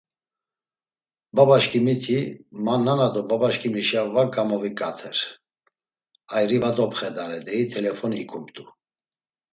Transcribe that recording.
Babaşǩimiti, ma nana do babaşǩimişa va gamoviǩater, ayri va dopxedare, deyi t̆elefoni ikumt̆u.